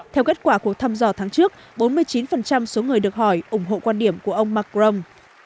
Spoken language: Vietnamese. theo kết quả cuộc thăm dò tháng trước bốn mươi chín số người được hỏi ủng hộ quan điểm của ông macron